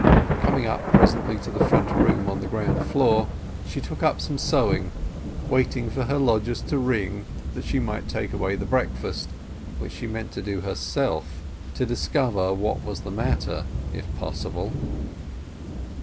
Coming up presently to the front room on the ground floor she took up some sewing, waiting for her lodgers to ring that she might take away the breakfast, which she meant to do herself, to discover what was the matter if possible.